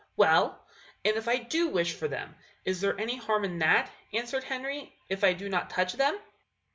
"Well, and if I do wish for them, is there any harm in that," answered Henry, "if I do not touch them?"